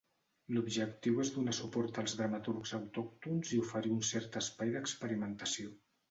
L'objectiu és donar suport als dramaturgs autòctons i oferir un cert espai d'experimentació.